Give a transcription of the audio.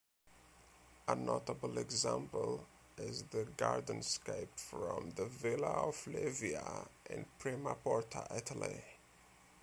A notable example is the Gardenscape from the Villa of Livia in Primaporta, Italy.